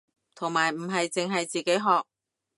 同埋唔係淨係自己學